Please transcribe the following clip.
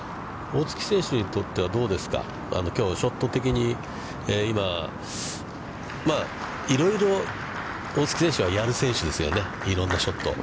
大槻選手にとっては、どうですか、きょうショット的に今、いろいろ大槻選手はやる選手ですよね、いろんなショットを。